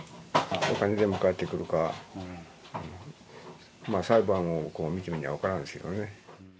お金全部返ってくるか、裁判を見てみにゃ分からんですけどね。